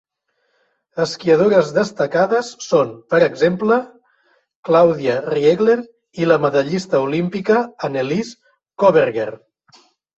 Esquiadores destacades són, per exemple, Claudia Riegler i la medallista olímpica Annelise Coberger.